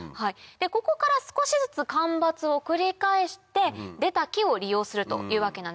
ここから少しずつ間伐を繰り返して出た木を利用するというわけなんです。